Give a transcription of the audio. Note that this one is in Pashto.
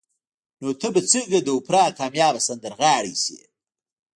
نو ته به څنګه د اوپرا کاميابه سندرغاړې شې